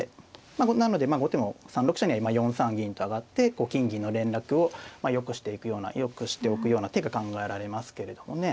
なので後手も３六飛車には４三銀と上がってこう金銀の連絡を良くしておくような手が考えられますけれどもね。